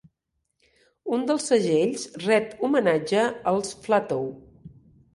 Un dels segells ret homenatge als Flatow.